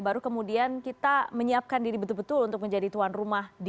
baru kemudian kita menyiapkan diri betul betul untuk menjadi tuan rumah u tujuh belas